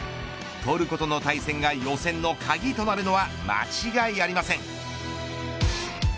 トルコとの対戦が予選の鍵となるのは間違いありません。